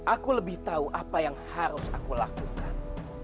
aku lebih tahu apa yang harus aku lakukan